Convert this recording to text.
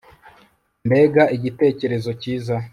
Mbega igitekerezo cyiza